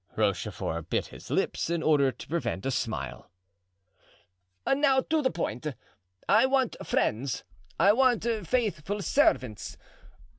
Rochefort bit his lips in order to prevent a smile. "Now to the point. I want friends; I want faithful servants.